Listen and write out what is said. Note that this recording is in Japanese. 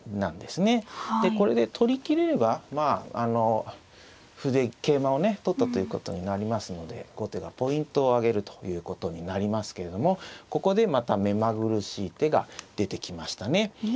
でこれで取りきれればまあ歩で桂馬をね取ったということになりますので後手がポイントをあげるということになりますけれどもここでまた目まぐるしい手が出てきましたね。